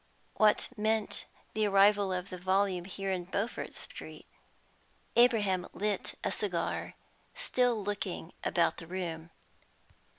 What meant the arrival of the volume here in Beaufort Street? Abraham lit a cigar, still looking about the room.